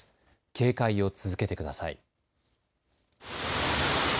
警戒を続けてください。